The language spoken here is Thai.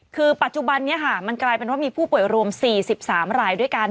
คือปัจจุบันนี้ค่ะมันกลายเป็นว่ามีผู้ป่วยรวม๔๓รายด้วยกัน